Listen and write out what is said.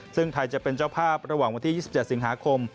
ซึ่งไทยจะเป็นเจ้าภาพระหว่างวันที่๒๗สิงหาคม